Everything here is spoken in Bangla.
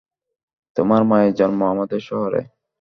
তোমার মায়ের জন্ম আমাদের শহরে।